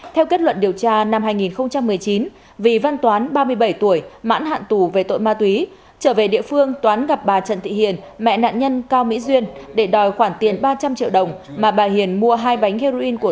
theo kết luận điều tra năm hai nghìn một mươi chín vì văn toán ba mươi bảy tuổi mãn hạn tù về tội ma túy trở về địa phương toán gặp bà trần thị hiền mẹ nạn nhân cao mỹ duyên để đòi khoản tiền ba trăm linh triệu đồng mà bà hiền mua hai bánh heroin